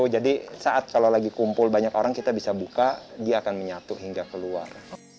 jadi saat kalau lagi kumpul banyak orang kita bisa buka dia akan menyatu hingga keluar